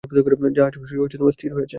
জাহাজ স্থির রয়েছে।